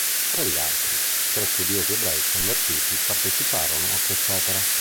Fra gli altri, tre studiosi ebrei convertiti parteciparono a quest'opera.